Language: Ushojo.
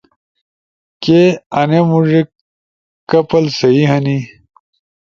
کی آنے موڙے کپل سہی ہنے؟